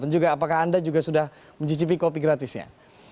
dan juga apakah anda juga sudah mencicipi kopi gratisnya